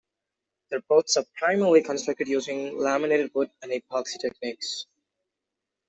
Their boats are primarily constructed using laminated wood and epoxy techniques.